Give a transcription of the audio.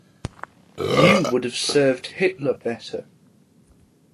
You would have served Hitler better.